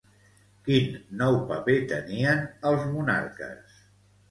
Quin nou paper tenien els monarques?